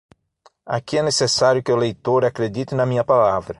Aqui é necessário que o leitor acredite na minha palavra.